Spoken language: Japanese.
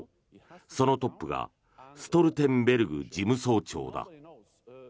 そのトップがストルテンベルグ事務総長だ。